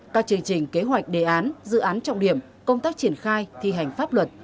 các chương trình kế hoạch đề án dự án trọng điểm công tác triển khai thi hành pháp luật